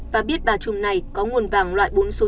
và biết bà trùm này có nguồn vàng loại bốn số năm